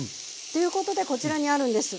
ということでこちらにあるんです。